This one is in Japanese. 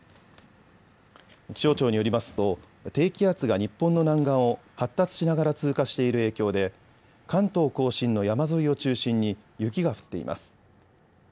気象庁によりますと、低気圧が日本の南岸を発達しながら通過している影響で関東甲信の山沿いを中心に雪が降っています。